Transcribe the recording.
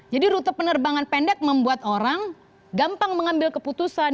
jadi rute penerbangan pendek membuat orang gampang mengambil keputusan